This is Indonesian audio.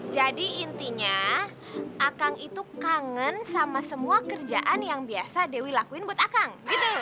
jadi intinya akang itu kangen sama semua kerjaan yang biasa dewi lakuin buat akang